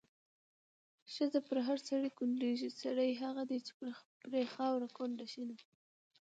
ښځه په هر سړي کونډيږي، سړی هغه دی چې پرې خاوره کونډه شينه